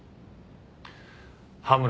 羽村